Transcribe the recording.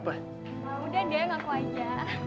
udah deh ngaku aja